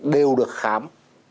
đều được khám